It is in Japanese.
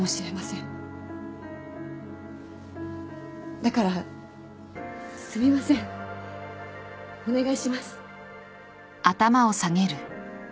だからすみませんお願いします。